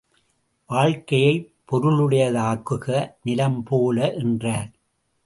வாழ்க்கையைப் பொருளுடையதாக்குக நிலம் போல என்றார்.